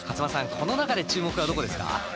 この中で注目はどこですか？